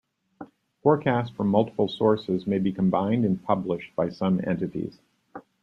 Forecasts from multiple sources may be combined and published by some entities.